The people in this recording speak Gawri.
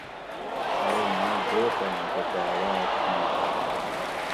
ارو ماۤں دوستہ مکہ داعوات دیِش